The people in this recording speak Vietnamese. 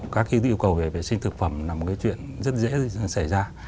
các cái yêu cầu về vệ sinh thực phẩm là một cái chuyện rất dễ xảy ra